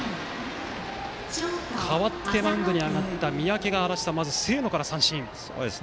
代わってマウンドに上がった三宅が清野から三振です。